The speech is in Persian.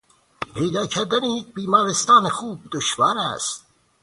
پیدا کردن یک بیمارستان خوب دشوار است.